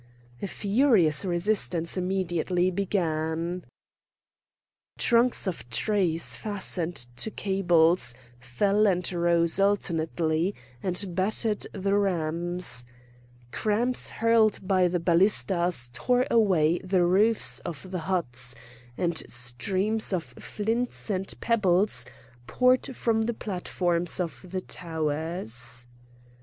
A furious resistance immediately began. Trunks of trees fastened to cables fell and rose alternately and battered the rams; cramps hurled by the ballistas tore away the roofs of the huts; and streams of flints and pebbles poured from the platforms of the towers.